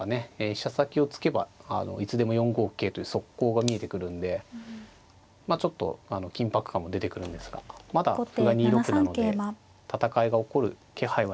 飛車先を突けばいつでも４五桂という速攻が見えてくるんでまあちょっと緊迫感も出てくるんですがまだ歩が２六なので戦いが起こる気配はないですね。